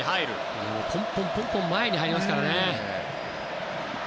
ポンポンと前に入りますからね。